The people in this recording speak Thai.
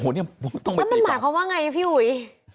แล้วมันหมายความว่าไงพี่อุ๋ย